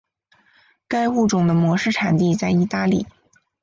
该物种的模式产地在意大利。